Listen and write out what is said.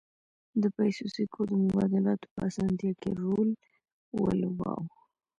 د پیسو سکو د مبادلاتو په اسانتیا کې رول ولوباوه